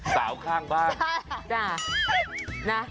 สาวข้างบ้าง